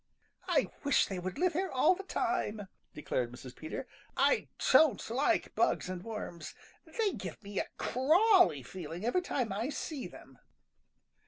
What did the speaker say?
_ "I wish they would live here all the time," declared Mrs. Peter. "I don't like bugs and worms. They give me a crawly feeling every time I see them."